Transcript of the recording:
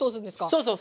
そうそう。